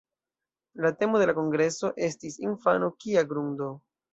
La temo de la kongreso estis "Infano: kia grundo!".